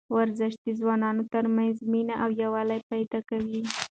ورزش د ځوانانو ترمنځ مینه او یووالی پیدا کوي.